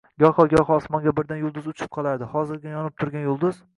Goho-goho osmonda birdan yulduz uchib qolardi. Hozirgina yonib turgan yulduz